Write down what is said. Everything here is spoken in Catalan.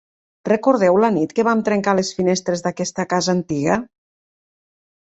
Recordeu la nit que vam trencar les finestres d'aquesta casa antiga?